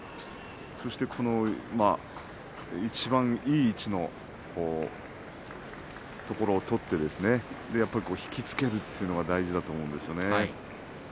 そして、いちばんいい位置のところを取って引き付けるというのが大事だと思うんですよね。